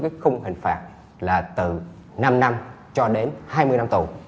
cái khung hình phạt là từ năm năm cho đến hai mươi năm tù